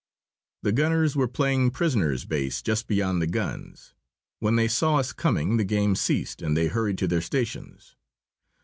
The gunners were playing prisoner's base just beyond the guns. When they saw us coming the game ceased, and they hurried to their stations.